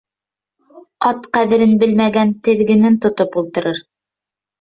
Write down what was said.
Ат ҡәҙерең белмәгән теҙгенен тотоп ултырыр